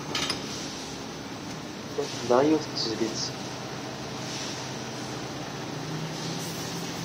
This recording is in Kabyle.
La selleɣ i yiwet n tezlit.